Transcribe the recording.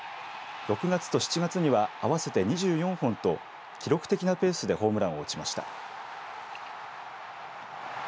６月と７月には合わせて２４本と記録的なペースでホームランを打ちました。